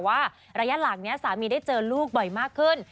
ว่าระยะหลังนี้สามีได้เจอลูกบ่อยมากขึ้น